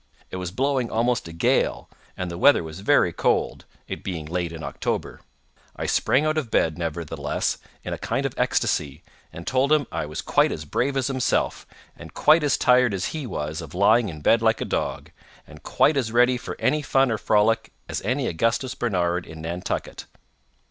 It was blowing almost a gale, and the weather was very cold—it being late in October. I sprang out of bed, nevertheless, in a kind of ecstasy, and told him I was quite as brave as himself, and quite as tired as he was of lying in bed like a dog, and quite as ready for any fun or frolic as any Augustus Barnard in Nantucket.